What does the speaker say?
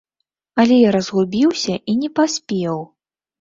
Але я разгубіўся і не паспеў.